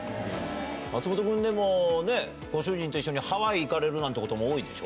松本君、でもね、ご主人と一緒にハワイ行かれるなんてことも多いでしょ。